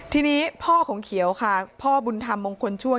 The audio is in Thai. ทีนี้พ่อของเขียวค่ะพ่อบุญธรรมมงคลช่วย